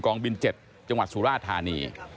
องบิน๗จังหวัดสุราธานี